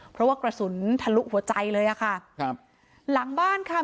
เพราะว่ากระสุนทะลุหัวใจเลยอ่ะค่ะครับหลังบ้านค่ะ